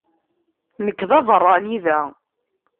Nekk d abeṛṛani da.